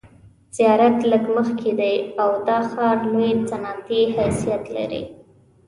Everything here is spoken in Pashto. زیارت لږ مخکې دی او دا ښار لوی صنعتي حیثیت لري.